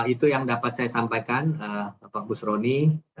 itu yang dapat saya sampaikan bapak bus rony